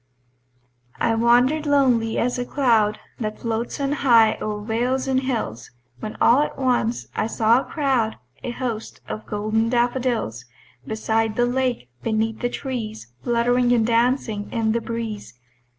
I wander'd lonely as a cloud That floats on high o'er vales and hills, When all at once I saw a crowd, A host of golden daffodils, Beside the lake, beneath the trees, Fluttering and dancing in the breeze.